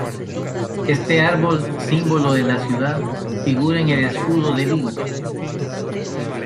Este árbol, símbolo de la ciudad, figura en el escudo de Vigo.